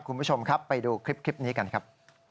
คุณผู้ชมครับไปดูคลิปนี้กันครับ